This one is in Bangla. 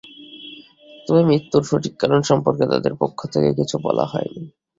তবে মৃত্যুর সঠিক কারণ সম্পর্কে তাদের পক্ষ থেকে কিছু বলা হয়নি।